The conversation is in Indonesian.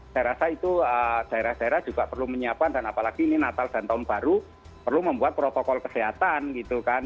saya rasa itu daerah daerah juga perlu menyiapkan dan apalagi ini natal dan tahun baru perlu membuat protokol kesehatan gitu kan